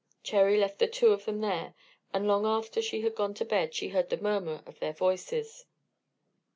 Cherry left the two of them there, and long after she had gone to bed she heard the murmur of their voices.